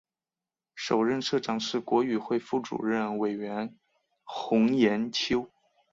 首任社长是国语会副主任委员洪炎秋。